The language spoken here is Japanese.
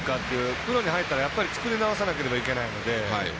プロに入ったらやっぱり作り直さないといけないので。